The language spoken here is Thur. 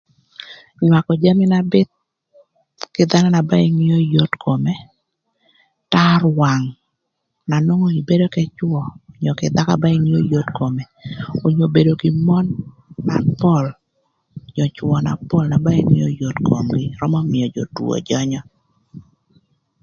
Nywakö jami na bïth kï dhanö na ba ingeo yot kome, tar wang, na nwongo ibedo k'ëcwö önyö kï dhakö na ba ingeo yot kome, onyo bedo kï mon na pol, onyo cwö na pol na ba ingeo yot komgï römö mïö jö two jönyö.